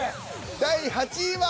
第８位は。